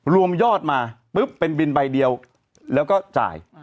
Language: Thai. รวมยอดมาปุ๊บเป็นบินใบเดียวแล้วก็จ่าย